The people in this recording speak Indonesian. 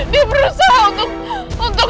dia berusaha untuk